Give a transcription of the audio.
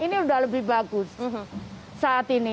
ini sudah lebih bagus saat ini